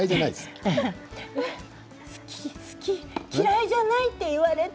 嫌いじゃないと言われた。